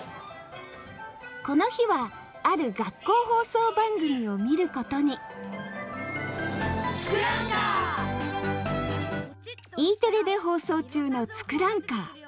この日はある学校放送番組を見ることにＥテレで放送中の「ツクランカー」。